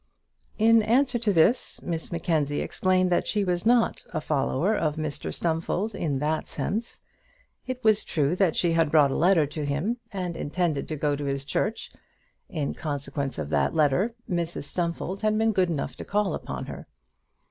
In answer to this, Miss Mackenzie explained that she was not a follower of Mr Stumfold in that sense. It was true that she had brought a letter to him, and intended to go to his church. In consequence of that letter, Mrs Stumfold had been good enough to call upon her.